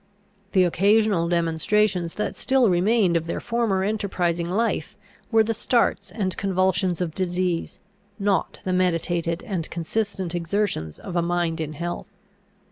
The occasional demonstrations that still remained of their former enterprising life were the starts and convulsions of disease, not the meditated and consistent exertions of a mind in health.